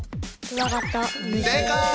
正解！